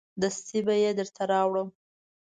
دستي به یې درته راوړم.